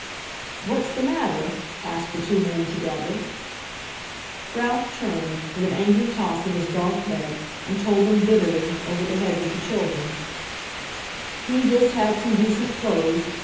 "What's the matter?" asked the two men together. Ralph turned, with an angry toss of his dark head, and told them bitterly, over the heads of the children: "He just had some decent clothes....